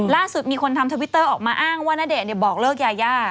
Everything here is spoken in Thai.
ล่าสุดมีคนทำทวิตเตอร์ออกมาอ้างว่าณเดชน์บอกเลิกยายา